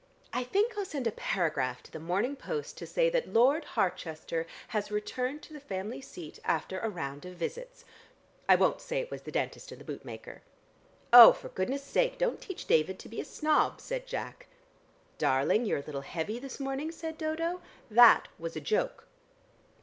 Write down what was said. I think I'll send a paragraph to the Morning Post to say that Lord Harchester has returned to the family seat after a round of visits. I won't say it was the dentist and the bootmaker." "Oh, for goodness' sake don't teach David to be a snob!" said Jack. "Darling, you're a little heavy this morning," said Dodo. "That was a joke."